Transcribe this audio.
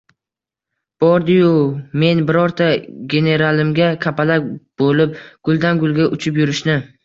— Bordi-yu men birorta generalimga kapalak bo‘lib guldan-gulga uchib yurishni